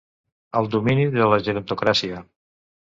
El domini de la gerontocràcia.